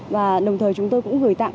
và đồng thời chúng tôi cũng gửi tặng